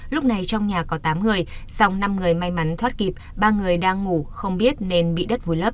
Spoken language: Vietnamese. lúc này trong nhà có tám người dòng năm người may mắn thoát kịp ba người đang ngủ không biết nên bị đánh